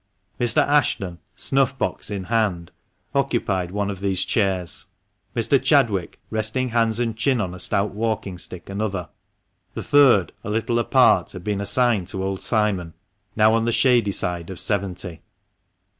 Mr. Ashton, snuff box in hand, occupied one of these chairs ; Mr. Chadwick, resting hands and chin on a stout walking stick, another; the third, a little apart, had been assigned to old Simon, now on the shady side of seventy).